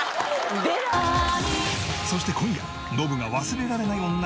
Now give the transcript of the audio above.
そして今夜ノブが忘れられない女